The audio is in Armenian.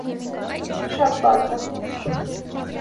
- Շատ պարզ է.